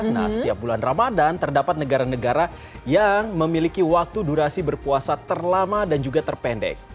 nah setiap bulan ramadan terdapat negara negara yang memiliki waktu durasi berpuasa terlama dan juga terpendek